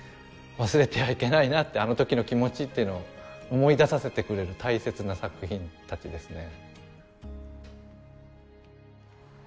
忘れてはいけないなってあのときの気持ちっていうのを思い出させてくれる大切な作品たちですね。